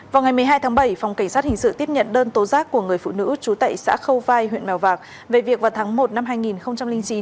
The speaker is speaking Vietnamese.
vào ngày một mươi hai tháng bảy phòng cảnh sát hình sự tiếp nhận đơn tố giác của người phụ nữ trú tại xã khâu vai huyện mèo vạc về việc vào tháng một năm hai nghìn chín